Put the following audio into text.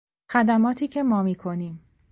خدماتی که ما میکنیم